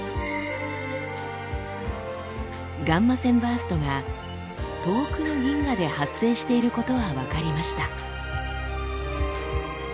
ガンマ線バーストが遠くの銀河で発生していることは分かりました。